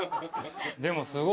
でもすごい。